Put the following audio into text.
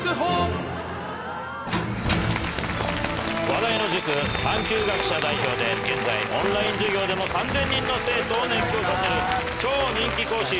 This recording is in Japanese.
話題の塾探究学舎代表で現在オンライン授業でも３０００人の生徒を熱狂させる超人気講師